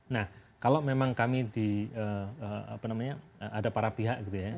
nah kalau memang kami di apa namanya ada para pihak gitu ya